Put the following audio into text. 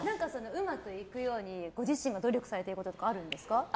うまくいくようにご自身が努力されてることとかあるんですか？